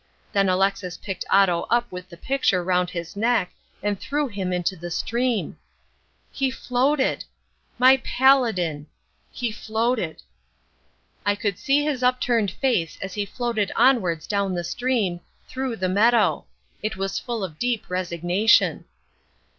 Then Alexis picked Otto up with the picture round his neck and threw him into the stream. He floated! My paladin! He floated! I could see his upturned face as he floated onwards down the stream, through the meadow! It was full of deep resignation.